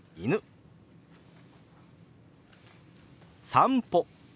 「散歩」。